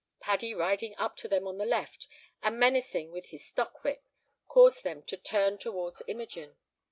Paddy riding up to them on the left and menacing with his stockwhip, caused them to turn towards Imogen.